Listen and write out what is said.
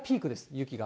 雪が。